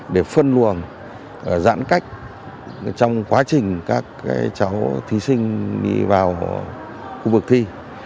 để phân luồng giãn cách trong quá trình các cháu thí sinh đi vào khu vực thi